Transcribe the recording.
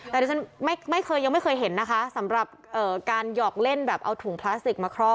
แต่ดิฉันไม่เคยยังไม่เคยเห็นนะคะสำหรับการหยอกเล่นแบบเอาถุงพลาสติกมาครอบ